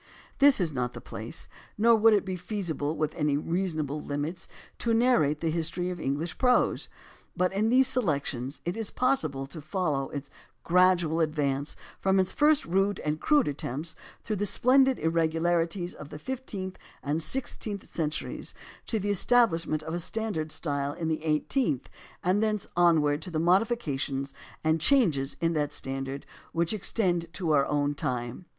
This is not the place, nor would it be feasible within any reasonable limits, to narrate the history of English prose. But in these selections it is pos&ible to follow its gradual advance from the first rude and crude attempts through the splendid ir regularities of the fifteenth and sixteenth centuries to the establishment of a standard of style in the eight eenth and thence onward to the modifications and changes in that standard which extend to our own time.